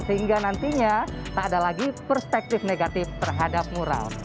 sehingga nantinya tak ada lagi perspektif negatif terhadap mural